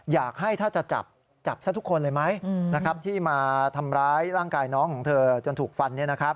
อยากให้ถ้าจะจับจับซะทุกคนเลยไหมที่มาทำร้ายร่างกายน้องของเธอจนถูกฟัน